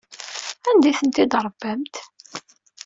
Anda ay tent-id-tṛebbamt?